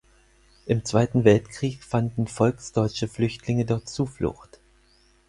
Im Zweiten Weltkrieg fanden volksdeutsche Flüchtlinge dort Zuflucht.